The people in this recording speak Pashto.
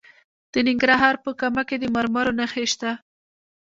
د ننګرهار په کامه کې د مرمرو نښې شته.